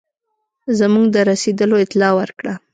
زموږ د رسېدلو اطلاع ورکړه.